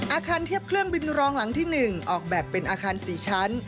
อาคารเทียบเครื่องบินรองหลังที่๑ออกแบบเป็นอาคาร๔ชั้น